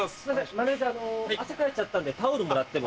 マネジャー汗かいちゃったんでタオルもらっても？